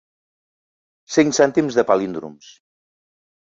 «Cinc cèntims de palíndroms».